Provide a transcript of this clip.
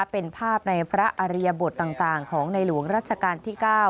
เป็นภาพในพระอริยบทต่างของในหลวงรัชกาลที่๙